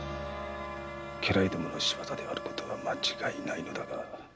家来どもの仕業であることは間違いないのだが。